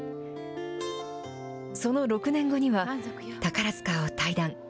その６年後には、宝塚を退団。